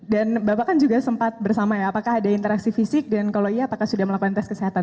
dan bapak kan juga sempat bersama ya apakah ada interaksi fisik dan kalau iya apakah sudah melakukan tes kesehatan